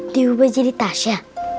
diubah jadi tasya